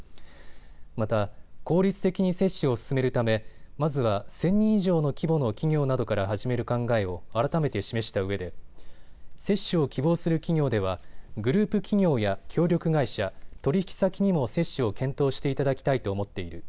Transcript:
また、効率的に接種を進めるためまずは１０００人以上の規模の企業などから始める考えを改めて示したうえで、接種を希望する企業ではグループ企業や協力会社、取引先にも接種を検討していただきたいと思っている。